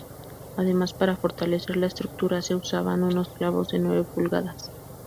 Además para fortalecer la estructura se usaban unos clavos de nueve pulgadas.